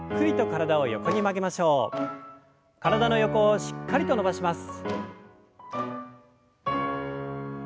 体の横をしっかりと伸ばします。